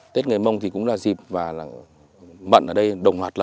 tết người mông thì cũng là dịp và là mận ở đây đồng hoạt lở